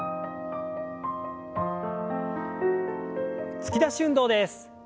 突き出し運動です。